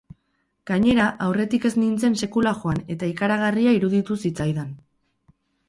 Gainera, aurretik ez nintzen sekula joan eta ikaragarria iruditu zitzaidan.